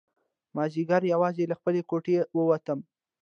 مازیګر یوازې له خپلې کوټې ووتم.